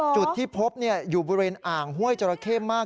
จุดที่พบอยู่บริเวณอ่างห้วยจราเข้มาก